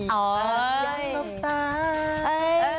อยากหลบตา